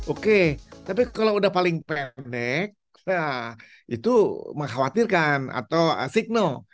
oke tapi kalau udah paling pendek itu mengkhawatirkan atau asik no